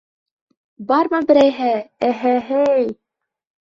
Бармы берәйһе, эһе-һей!